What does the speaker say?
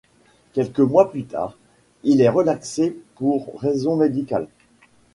Quelques mois plus tard, il est relaxé pour raison médicale.